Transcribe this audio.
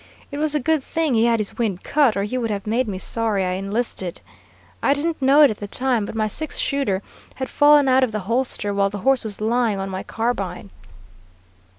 It was a good thing he had his wind cut, or he would have made me sorry I enlisted. I didn't know it at the time, but my six shooter had fallen out of the holster, while the horse was lying on my carbine.